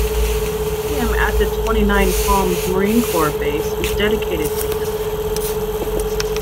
A museum at the Twentynine Palms Marine Corps base is dedicated to him.